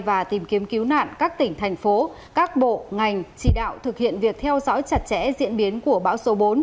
và tìm kiếm cứu nạn các tỉnh thành phố các bộ ngành chỉ đạo thực hiện việc theo dõi chặt chẽ diễn biến của bão số bốn